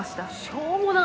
しょうもな！